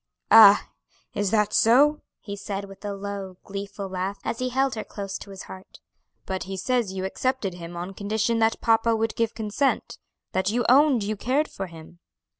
"Ah, is that so?" he said, with a low, gleeful laugh, as he held her close to his heart. "But he says you accepted him on condition that papa would give consent, that you owned you cared for him."